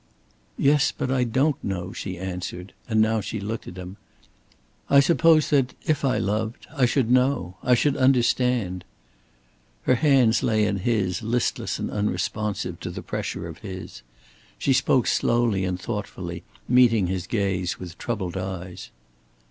"Yes, but I don't know," she answered, and now she looked at him. "I suppose that, if I loved, I should know, I should understand." Her hands lay in his, listless and unresponsive to the pressure of his. She spoke slowly and thoughtfully, meeting his gaze with troubled eyes.